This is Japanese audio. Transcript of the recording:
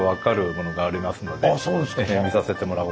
見させてもらおうと思います。